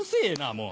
もう。